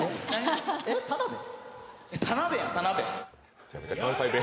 めちゃくちゃ関西弁。